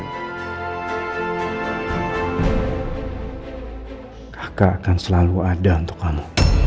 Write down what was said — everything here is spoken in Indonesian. kakak akan selalu ada untuk anak